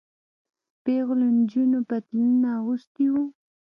پيغلو نجونو پتلونونه اغوستي وو.